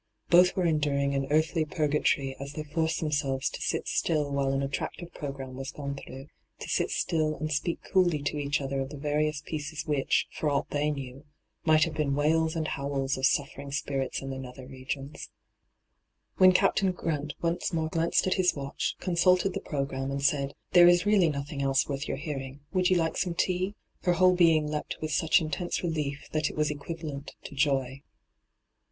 Both were enduring an earthly purgatory as they forced themselves to sit still while an attractive programme was gone through — to sit still and speak coolly to each other of the various pieces which, for aught they knew, might have been wails and howls of suffering spirits in the nether regiona When Captain Grant once more glanced at his watoh, con sulted the programme, and said, ' There is ' really nothing else worth your hearing : would you like some tea?' her whole being leapt with such intense relief that it was equivalent to joy.